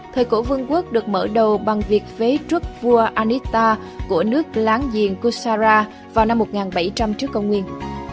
thời cổ vương quốc được mở đầu bằng việc phế truất vua anitta của nước láng giềng kusara vào năm một nghìn bảy trăm linh trước công nguyên